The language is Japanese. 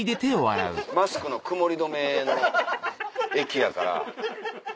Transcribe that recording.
マスクの曇り止めの液やから。